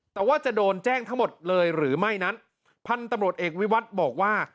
แต่ว่าจะโดนแจ้งทั้งหมดเลยหรือไม่นั้นพันธุ์ตำรวจเอกวิวัตรบอกว่า